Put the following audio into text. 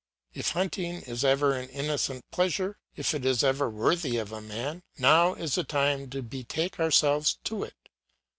If hunting is ever an innocent pleasure, if it is ever worthy of a man, now is the time to betake ourselves to it.